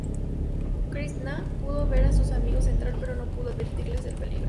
Krisná pudo ver a sus amigos entrar, pero no pudo advertirles del peligro.